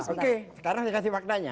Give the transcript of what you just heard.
oke sekarang saya kasih faktanya